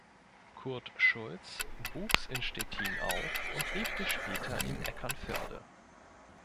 Kurt Schulz wuchs in Stettin auf und lebte später in Eckernförde.